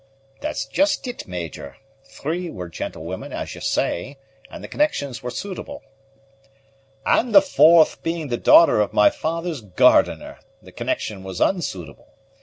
"That's just it, Major. Three were gentlewomen, as you say, and the connections were suitable." "And the fourth being the daughter of my father's gardener, the connection was unsuitable.